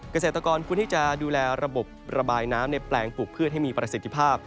เกษตรกรควรที่จะดูแลระบบระบายน้ำในแปลงปลูกพืชให้มีประสิทธิภาพ